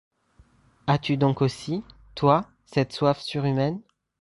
As-tu donc aussi, toi, cette soif surhumaine ?